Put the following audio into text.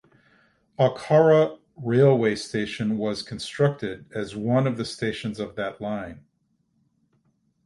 Akhaura railway station was constructed as one of the stations of that line.